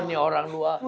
ini orang dua